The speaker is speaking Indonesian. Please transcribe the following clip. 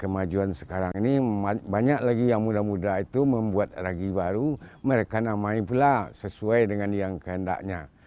kemajuan sekarang ini banyak lagi yang muda muda itu membuat ragi baru mereka namai pula sesuai dengan yang kehendaknya